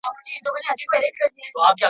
کله دي زړه ته دا هم تیریږي؟ !.